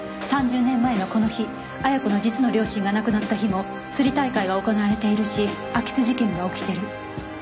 ３０年前のこの日亜矢子の実の両親が亡くなった日も釣り大会が行われているし空き巣事件が起きてる。